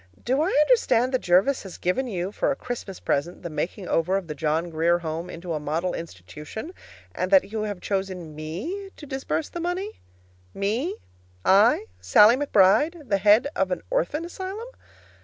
Do I understand that Jervis has given you, for a Christmas present, the making over of the John Grier Home into a model institution, and that you have chosen me to disburse the money? Me I, Sallie McBride, the head of an orphan asylum!